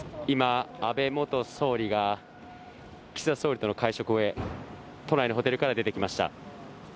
今、安倍元総理が岸田総理との会食を終え、都内のホテルから出てきました。